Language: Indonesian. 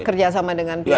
dan kerjasama dengan pihak